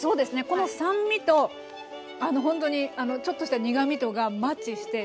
この酸味とあのほんとにちょっとした苦みとがマッチして。